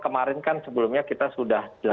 kemarin kan sebelumnya kita sudah